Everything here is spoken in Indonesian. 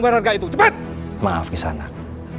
berharga itu cepat maaf kisah anak